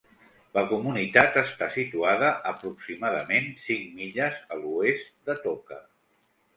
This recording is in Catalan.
La comunitat està situada aproximadament cinc milles a l'oest d'Atoka.